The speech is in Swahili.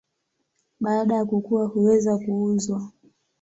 Baada ya kukua huweza kuuzwa.